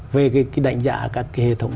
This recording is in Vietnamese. về cái đánh giá các cái hệ thống